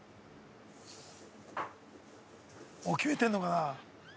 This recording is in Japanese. もう決めてんのかな。